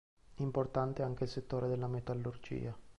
Importante anche il settore della metallurgia.